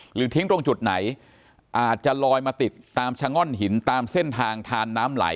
ทิ้งตรงจุดไหนอาจจะลอยมาติดตามชะง่อนหินตามเส้นทางทานน้ำไหล